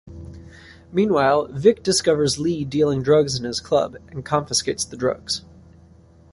Meanwhile, Vic discovers Lee dealing drugs in his club and confiscates the drugs.